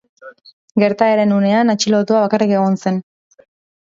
Gertaeren unean, atxilotua bakarrik egon zen.